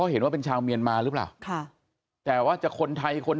เห็นว่าเป็นชาวเมียนมาหรือเปล่าค่ะแต่ว่าจะคนไทยคน